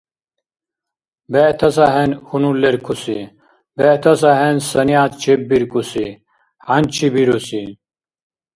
БегӀтас ахӀен хьунул леркуси, бегӀтас ахӀен санигӀят чеббиркӀуси, хӀянчи бируси.